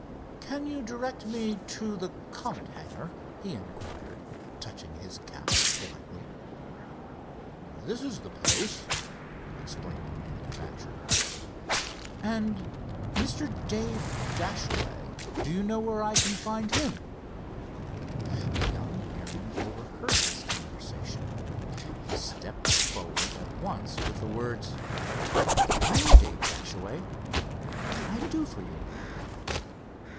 "Can you direct me to the Comet hangar?" he inquired, touching his cap politely. "This is the place," explained the manufacturer. "And Mr. Dave Dashaway—do you know where I can find him?" The young airman overheard this conversation. He stepped forward at once with the words: "I am Dave Dashaway. What can I do for you?"